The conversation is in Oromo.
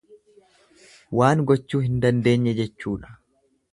Waan gochuu hin dandeenye jechuudha.